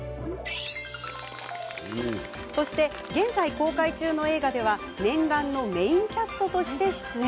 そして、現在公開中の映画では念願のメインキャストとして出演。